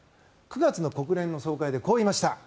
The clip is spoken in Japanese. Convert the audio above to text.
９月の国連総会でこう言いました。